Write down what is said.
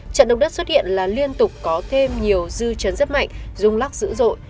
trận động đất xuất hiện là liên tục có thêm nhiều dư chấn rất mạnh rung lắc dữ dội